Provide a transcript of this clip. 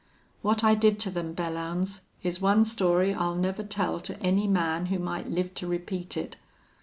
"What I did to them, Belllounds, is one story I'll never tell to any man who might live to repeat it.